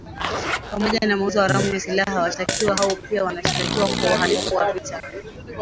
Pamoja na mauzo haramu ya silaha, washtakiwa hao pia wanashtakiwa kwa uhalifu wa vita.